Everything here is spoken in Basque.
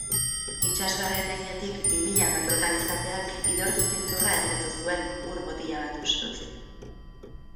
Itsasoaren heinetik bi mila metrotan izateak idortu zintzurra hezetu zuen ur botila bat hustuz.